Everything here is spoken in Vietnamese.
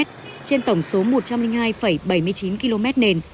trên tổng số một trăm linh hai bảy mươi chín km nền